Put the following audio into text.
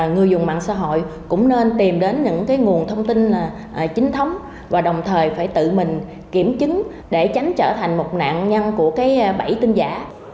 người dùng mạng xã hội cũng nên tìm đến những nguồn thông tin chính thống và đồng thời phải tự mình kiểm chứng để tránh trở thành một nạn nhân của bẫy tin giả